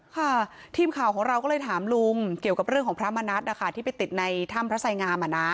ค่ะทีมข่าวของเราก็เลยถามลุงเกี่ยวกับเรื่องของพระมณัฐที่ไปติดในถ้ำพระไสงาม